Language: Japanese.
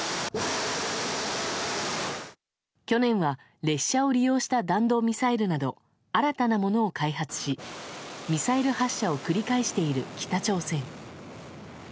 去年は列車を利用した弾道ミサイルなど新たなものを開発しミサイル発射を繰り返している北朝鮮。